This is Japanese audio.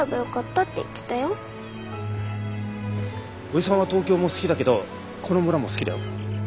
おじさんは東京も好きだけどこの村も好きだよ。